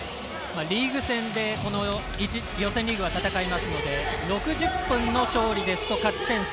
リーグ戦で予選リーグは戦いますので勝利ですと勝ち点３。